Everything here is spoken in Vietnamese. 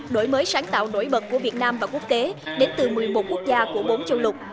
đổi mới sáng tạo nổi bật của việt nam và quốc tế đến từ một mươi một quốc gia của bốn châu lục